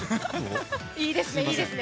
いいですね、いいですね。